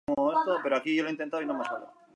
Es la tercera temporada de la serie "Strike Back".